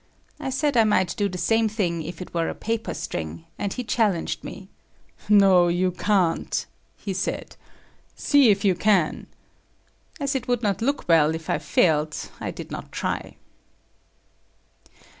I said I might do the same thing if it were a paper string, and he challenged me. "No, you can't," he said. "See if you can." As it would not look well if I failed, I did not try.